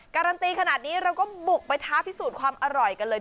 การันตีขนาดนี้เราก็บุกไปท้าพิสูจน์ความอร่อยกันเลย